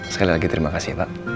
sekali lagi terima kasih pak